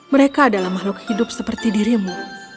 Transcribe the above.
mereka adalah makhluk hidup seperti dirimu